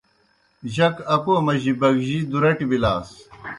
جک اکو مجی بگجِی دُو رٹیْ بِلاس۔